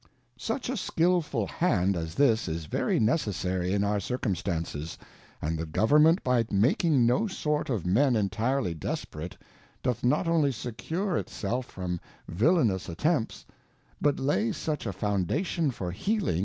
.__ Such a skilful hand as this is very Necessary in our Circum stances, and the fioxemment by making no sort of Men entirely desperate^, doth not only secure it self from Villainous attempts, but lay such^Foundatipn for healiug..